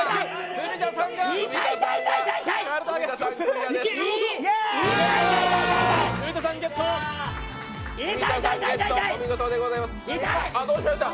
文田さんゲット、お見事でございます。